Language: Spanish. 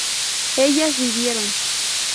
ellas vivieron